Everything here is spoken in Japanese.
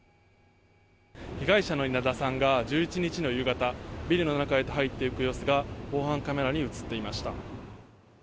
被害者の稲田さんが１１日の夕方ビルの中へと入っていく様子が防犯カメラに映っていました。